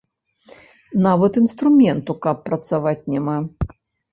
Нават інструменту, каб працаваць, няма.